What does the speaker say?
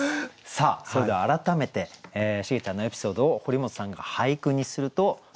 さあそれでは改めてシゲちゃんのエピソードを堀本さんが俳句にするとどうなるんでしょうか。